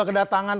selesai ya kan